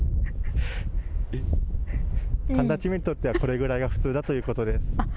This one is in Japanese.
寒立馬にとっては、これぐらいが普通だということです。